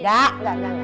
gak gak gak